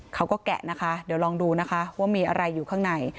แกะนะคะเดี๋ยวลองดูนะคะว่ามีอะไรอยู่ข้างใน